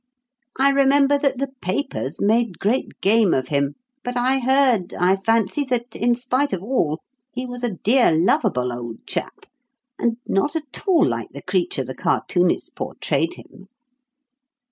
I remember that the papers made great game of him; but I heard, I fancy, that, in spite of all, he was a dear, lovable old chap, and not at all like the creature the cartoonists portrayed him."